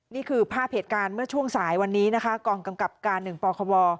นี่คือภาพเหตุการณ์เมื่อช่วงสายวันนี้นะคะกองกำกับการ๑ปคว